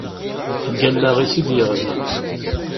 Deg wallaɣ-is i d-yeɣli.